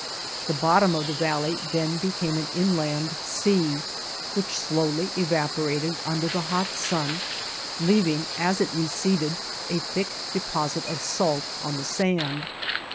The bottom of the valley then be came an inland sea which slowly evaporated under the hot sun, leaving as it receded a thick deposit of salt on the sand.